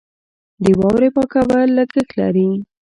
د واورې پاکول لګښت لري.